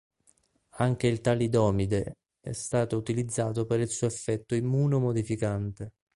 Anche il talidomide è stato utilizzato per il suo effetto immuno-modificante.